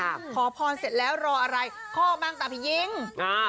ครับขอพรเสร็จแล้วรออะไรข้อมั่งต่ำพีหญิงอ่า